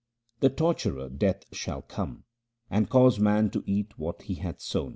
The torturer Death shall come, and cause man to eat what he hath sown.